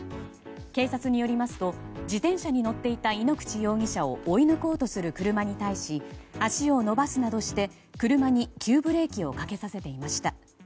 警察によりますと、自転車に乗っていた井ノ口容疑者を追い抜こうとする車に対し足を伸ばすなどして車に急ブレーキをかけさせていました。